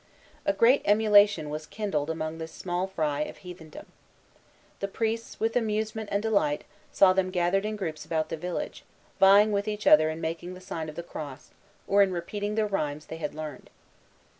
A great emulation was kindled among this small fry of heathendom. The priests, with amusement and delight, saw them gathered in groups about the village, vying with each other in making the sign of the cross, or in repeating the rhymes they had learned.